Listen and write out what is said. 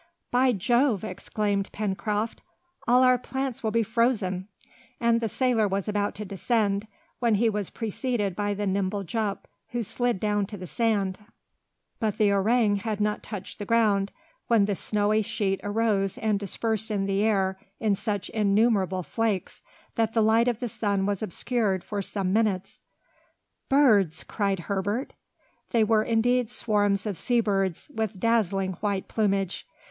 "By Jove!" exclaimed Pencroft, "all our plants will be frozen!" And the sailor was about to descend, when he was preceded by the nimble Jup, who slid down to the sand. [Illustration: JUP SITTING FOR HIS PORTRAIT] But the orang had not touched the ground, when the snowy sheet arose and dispersed in the air in such innumerable flakes that the light of the sun was obscured for some minutes. "Birds!" cried Herbert. They were indeed swarms of sea birds, with dazzling white plumage.